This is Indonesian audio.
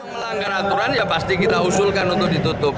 melanggar aturan ya pasti kita usulkan untuk ditutup